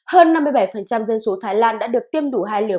hơn năm mươi bảy dân số thái lan đã được tiêm đủ hai liều